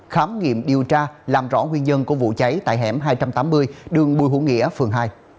khám nghiệm điều tra làm rõ nguyên nhân của vụ cháy tại hẻm hai trăm tám mươi đường bùi hữu nghĩa phường hai